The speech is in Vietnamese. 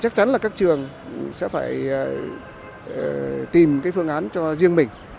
chắc chắn là các trường sẽ phải tìm cái phương án cho riêng mình